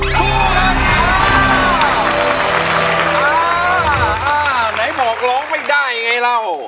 อ่าาาไหนบอกร้องไม่ได้ไงเรา